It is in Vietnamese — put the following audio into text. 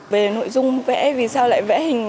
về nội dung vẽ vì sao lại vẽ hình